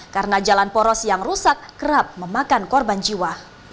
karena jalan poros yang rusak kerap memakan korban jiwa